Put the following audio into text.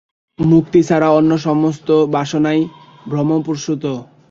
মুক্তি ছাড়া অন্য সমস্ত বাসনাই ভ্রমপ্রসূত।